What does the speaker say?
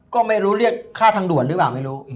ก็ไม่รู้เรียกค่าทางด่วนหรือเปล่าไม่รู้